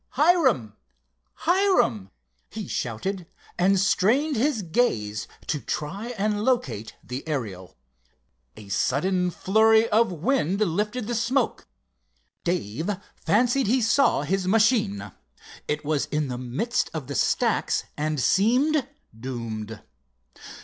"Hiram! Hiram!" he shouted, and strained his gaze to try and locate the Ariel. A sudden flurry of wind lifted the smoke. Dave fancied he saw his machine. It was in the midst of the stacks and seemed doomed.